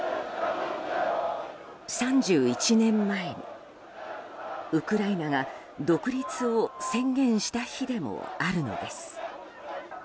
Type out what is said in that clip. ３１年前に、ウクライナが独立を宣言した日でもあるのです。